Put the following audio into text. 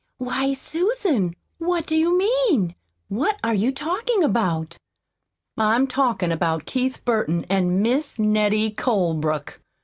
"Why, Susan, what do you mean? What are you talkin' about?" "I'm talkin' about Keith Burton an' Mis' Nettie Colebrook.